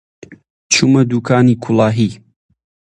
چوومە دووکانی کولاهی